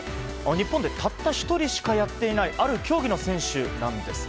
日本でたった１人しかやっていないある競技の選手なんです。